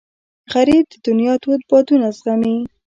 غریب د دنیا تود بادونه زغمي